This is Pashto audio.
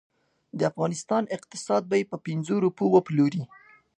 د افغانستان اقتصاد به یې په پنځو روپو وپلوري.